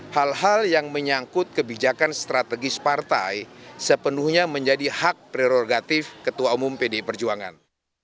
hal hal yang menyangkut kebijakan strategis partai sepenuhnya menjadi hak prerogatif ketua umum pdi perjuangan